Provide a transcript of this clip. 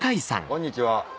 こんにちは。